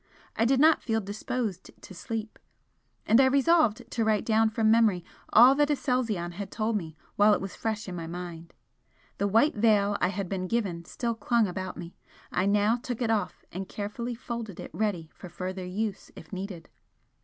I did not feel disposed to sleep, and I resolved to write down from memory all that Aselzion had told me while it was fresh in my mind. The white veil I had been given still clung about me, I now took it off and carefully folded it ready for further use if needed.